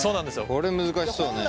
これ難しそうね。